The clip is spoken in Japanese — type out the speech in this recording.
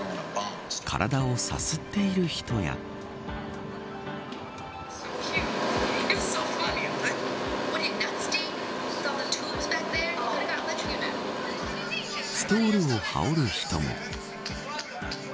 体をさすっている人やストールを羽織る人も。